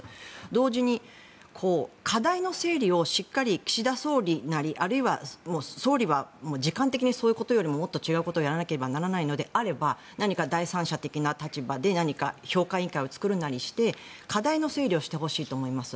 同時に、課題の整理をしっかり岸田総理なりあるいは総理は時間的にそういうことよりももっと違うことをやらなければならないのであれば何か第三者的な立場で評価委員会的なものを作るなりして課題の整理をしてほしいと思います。